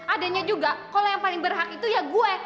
adanya juga kalau yang paling berhak itu ya gue